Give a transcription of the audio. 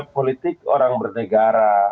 politik orang bernegara